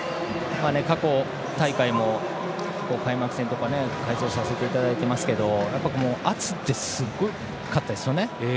過去大会も開幕戦とか開催させていただいてますけど圧って、すごかったですよね。